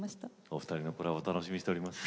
お二人のコラボ楽しみにしております。